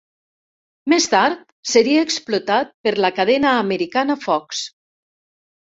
Més tard seria explotat per la cadena americana Fox.